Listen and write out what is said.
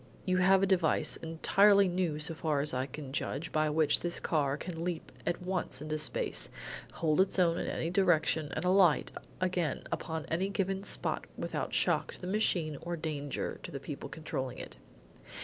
"You have a device, entirely new so far as I can judge, by which this car can leap at once into space, hold its own in any direction, and alight again upon any given spot without shock to the machine or danger to the people controlling it."